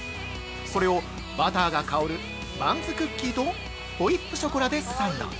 それをバターが香るバンズクッキーとホイップショコラでサンド。